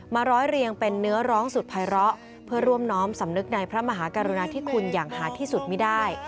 ร้อยเรียงเป็นเนื้อร้องสุดภัยร้อเพื่อร่วมน้อมสำนึกในพระมหากรุณาธิคุณอย่างหาที่สุดไม่ได้